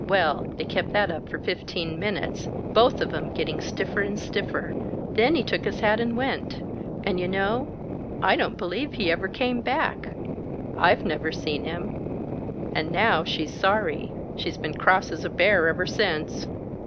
Well, they kept that up for fifteen minutes, both of 'em getting stiffer and stiffer. Then he took his hat and went. And you know, I don't believe he ever came back I've never seen him. And now, she's sorry. She's been as cross as a bear ever since."